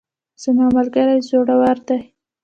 زما ملګری زړور ده